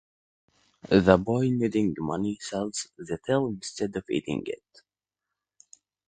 The boy, needing money, sells the tail instead of eating it.